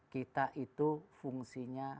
kita itu fungsinya